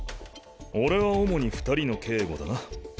俺は主に二人の警護だな。